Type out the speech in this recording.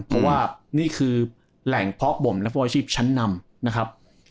เพราะว่านี่คือแหล่งพร้อมบ่มนักบอร์ชีพชั้นนำนะครับ